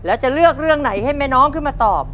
แล้วจะเลือกเรื่องไหนให้แม่น้องขึ้นมาตอบ